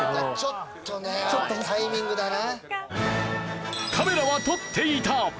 ちょっとねタイミングだな。